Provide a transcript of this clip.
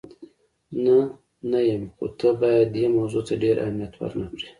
نه، نه یم، خو ته باید دې موضوع ته ډېر اهمیت ور نه کړې.